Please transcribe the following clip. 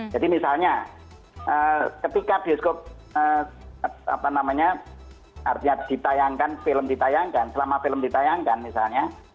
jadi misalnya ketika bioskop apa namanya artinya ditayangkan film ditayangkan selama film ditayangkan misalnya